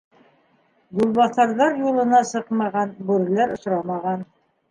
Юлбаҫарҙар юлына сыҡмаған, бүреләр осрамаған.